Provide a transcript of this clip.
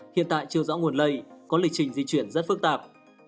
hiện tại chưa rõ nguồn lây có lịch trình di chuyển rất phức tạp